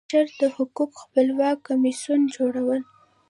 د بشر د حقوقو خپلواک کمیسیون جوړول.